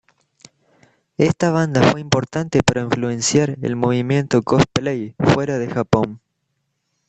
Esta banda fue importante para influenciar el movimiento cosplay fuera de Japón.